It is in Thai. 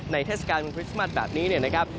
เทศกาลคริสต์มัสแบบนี้เนี่ยนะครับ